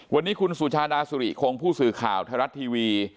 วันนี้คุณสุชาดาสุริคงผู้สื่อข่าวไทยรัฐทีวี